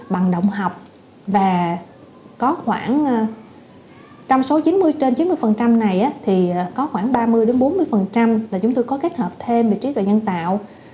bằng động học và có khoảng trong số chín mươi trên chín mươi này thì có khoảng ba mươi bốn mươi là chúng tôi có kết hợp thêm về trí tuệ nhân tạo